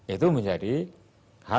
itu menjadi hal yang harus